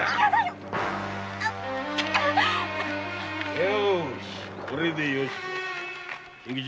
ようしこれでよしと。